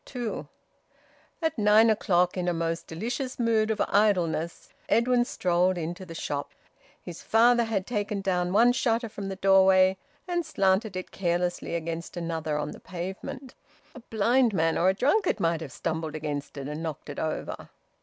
TWO. At nine o'clock, in a most delicious mood of idleness, Edwin strolled into the shop. His father had taken down one shutter from the doorway, and slanted it carelessly against another on the pavement. A blind man or a drunkard might have stumbled against it and knocked it over.